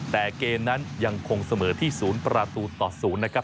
แต่เกณฑ์นั้นยังคงเสมอที่ศูนย์ประตูต่อศูนย์นะครับ